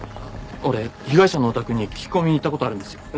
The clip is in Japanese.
俺被害者のお宅に聞き込みに行った事あるんですよ。